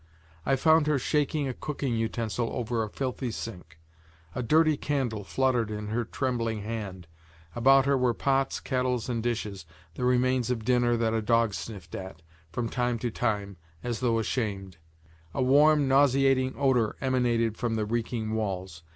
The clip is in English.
I found her shaking a cooking utensil over a filthy sink. A dirty candle fluttered in her trembling hand; about her were pots, kettles and dishes, the remains of dinner that a dog sniffed at, from time to time, as though ashamed; a warm, nauseating odor emanated from the reeking walls.